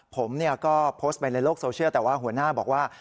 ผมก็โพสต์ไปในโลกโซเชียลแต่ว่าหัวหน้าบอกว่า